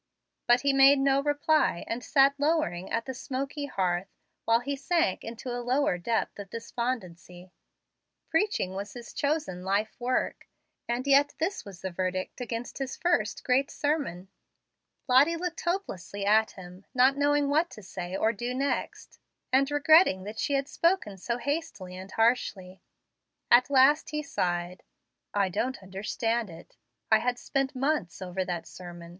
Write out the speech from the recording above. But he made no reply, and sat lowering at the smoky hearth while he sank into a lower depth of despondency. Preaching was his chosen life work, and yet this was the verdict against his first great sermon. Lottie looked hopelessly at him, not knowing what to say or do next, and regretting that she had spoken so hastily and harshly. At last he sighed: "I don't understand it. I had spent months over that sermon.